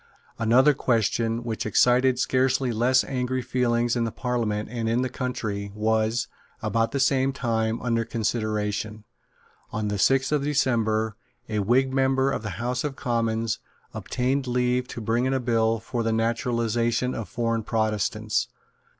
Another question, which excited scarcely less angry feeling in Parliament and in the country, was, about the same time, under consideration. On the sixth of December, a Whig member of the House of Commons obtained leave to bring in a bill for the Naturalisation of Foreign Protestants.